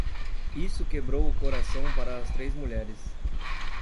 Isso quebrou o coração para as três mulheres.